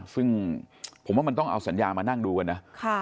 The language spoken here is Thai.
ซึ่งผมว่ามันต้องเอาสัญญามานั่งดูกันนะ